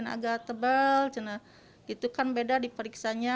agak tebal gitu kan beda di periksanya